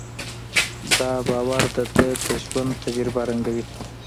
دا باور د ده د ژوند تجربه رنګوي.